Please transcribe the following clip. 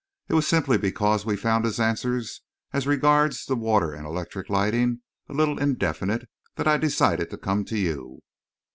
It was simply because we found his answers as regards the water and electric lighting a little indefinite, that I decided to come to you."